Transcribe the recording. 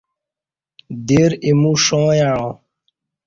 دیر ایمو ݜاں یعاں